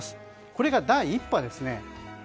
これが第１波ですね。